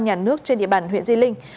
nhà nước trên địa bàn huyện di linh